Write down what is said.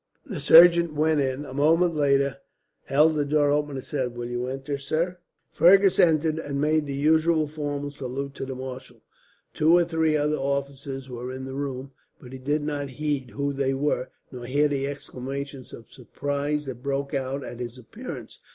The servant went in, a moment later held the door open, and said: "Will you enter, sir?" Fergus entered, and made the usual formal salute to the marshal. Two or three other officers were in the room, but he did not heed who they were, nor hear the exclamations of surprise that broke out at his appearance.